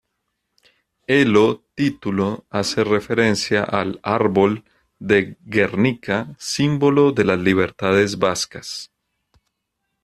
Elo título hace referencia al Árbol de Guernica símbolo de las libertades vascas.